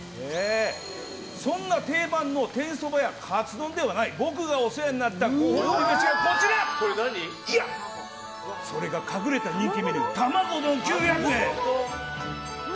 そんな定番のそばやカツ丼ではない僕がお世話になったご褒美飯それが隠れた人気メニュー玉子丼、９００円！